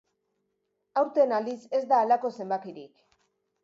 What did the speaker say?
Aurten, aldiz, ez da halako zenbakirik.